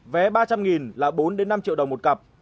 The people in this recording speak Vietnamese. vé ba trăm linh là bốn năm triệu đồng một cặp